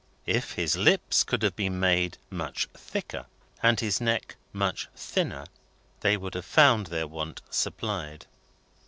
If his lips could have been made much thicker, and his neck much thinner, they would have found their want supplied.